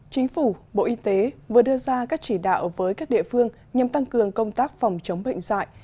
chính phủ bộ y tế vừa đưa ra các chỉ đạo với các địa phương nhằm tăng cường công tác phòng chống bệnh dạy